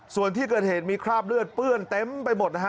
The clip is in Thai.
ส่วนที่เกิดเหตุมีคราบเลือดเปื้อนเต็มไปหมดนะฮะ